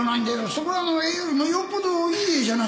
そこらの絵よりもよっぽどいい絵じゃないか。